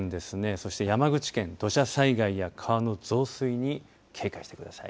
そして山口県土砂災害や川の増水に警戒してください。